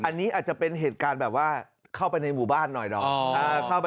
อันนี้อาจจะเป็นเหตุการณ์แบบว่าเข้าไปในหมู่บ้านหน่อยดอก